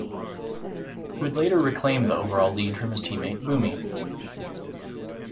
He would later reclaim the overall lead from his teammate Buemi.